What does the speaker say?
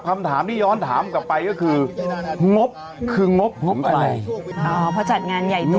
คำถามที่ย้อนถามกลับไปก็คืองบคืองบงบอะไรอ๋อเพราะจัดงานใหญ่นว